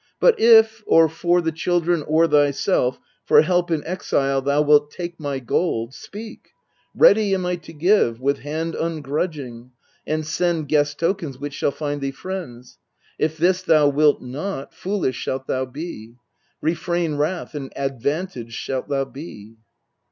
But if, or for the children or thyself, For help in exile thou wilt take my gold, Speak: ready am I to give with hand ungrudging, And send guest tokens which shall find thee friends. If tin's thou wilt not, foolish shalt thou be: Refrain wrath, and advantaged shalt thou be.